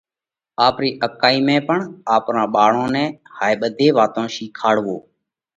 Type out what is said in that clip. آپرِي اڪائِي ۾ پڻ آپرون ٻاۯون نئہ هائي ٻڌي واتون شِيکاڙوَو۔